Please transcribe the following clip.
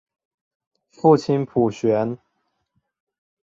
父亲浦璇。